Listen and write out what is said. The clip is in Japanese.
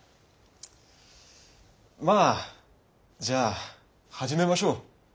まぁじゃあ始めましょう。